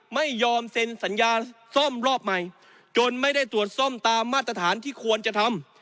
ไม่ยอมเซ็นสัญญาซ่อมรอบใหม่จนไม่ได้ตรวจซ่อมตามมาตรฐานที่ควรจะทำ